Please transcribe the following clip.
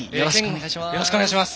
よろしくお願いします。